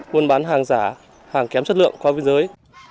buôn bán hàng giả hàng kém chất lượng qua biên giới